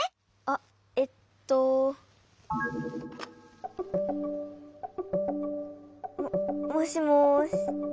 あっえっと。ももしもし。